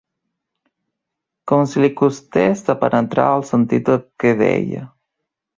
Com si li costés de penetrar el sentit del què deia